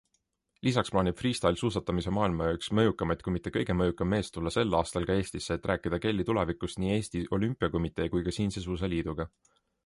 Lisaks plaanib freestyle-suusatamise maailma üks mõjukamaid, kui mitte kõige mõjukam mees tulla sel aastal ka Eestisse, et rääkida Kelly tulevikust nii Eesti Olümpiakomitee kui ka siinse suusaliiduga.